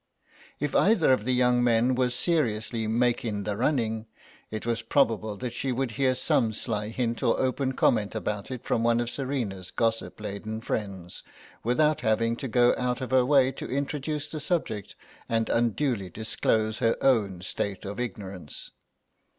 If either of the young men was seriously "making the running," it was probable that she would hear some sly hint or open comment about it from one of Serena's gossip laden friends, without having to go out of her way to introduce the subject and unduly disclose her own state of ignorance.